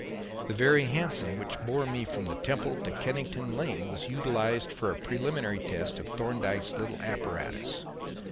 The very hansom which bore me from the Temple to Kennington Lane was utilized for a preliminary test of Thorndyke's little apparatus.